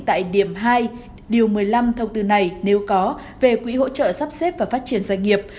tại điểm hai điều một mươi năm thông tư này nếu có về quỹ hỗ trợ sắp xếp và phát triển doanh nghiệp